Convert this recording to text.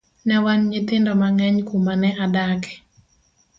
Ne wan nyithindo mang'eny kumane adake.